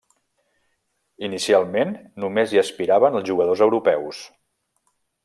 Inicialment només hi aspiraven els jugadors europeus.